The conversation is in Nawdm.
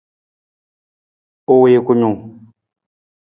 U wii kunung.